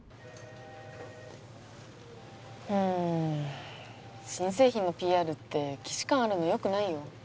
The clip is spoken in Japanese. うん新製品のＰＲって既視感あるのよくないよ